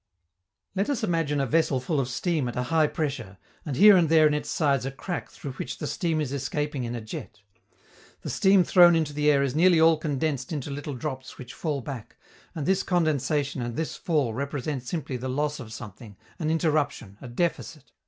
Let us imagine a vessel full of steam at a high pressure, and here and there in its sides a crack through which the steam is escaping in a jet. The steam thrown into the air is nearly all condensed into little drops which fall back, and this condensation and this fall represent simply the loss of something, an interruption, a deficit.